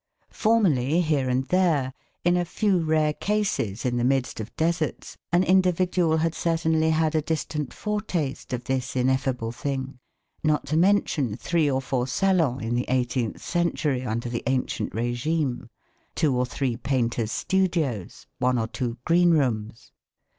Formerly, here and there, in a few rare cases in the midst of deserts an individual had certainly had a distant foretaste of this ineffable thing, not to mention three or four salons in the eighteenth century under the ancient regime, two or three painters' studios, one or two green rooms.